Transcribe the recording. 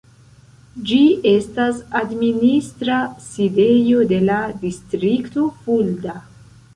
Ĝi estas administra sidejo de la distrikto Fulda.